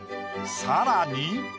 さらに。